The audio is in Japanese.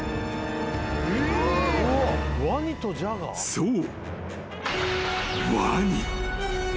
［そう］